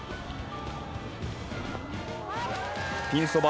ピンそば